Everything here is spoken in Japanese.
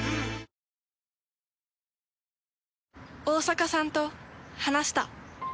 大坂さんと話した。